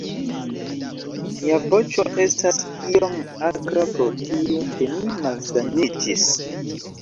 Mia voĉo estas iom akra pro tio, ke mi malsaniĝis